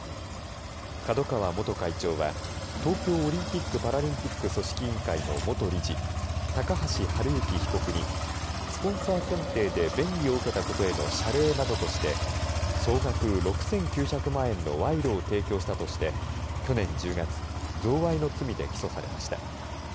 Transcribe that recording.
角川元会長は東京オリンピック・パラリンピック組織委員会の元理事高橋治之被告にスポンサー選定で便宜を受けたことへの謝礼などとして総額６９００万円の賄賂を提供したとして去年１０月贈賄の罪で起訴されました。